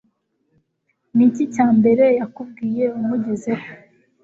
Niki Cyambere yakubwiye umugezeho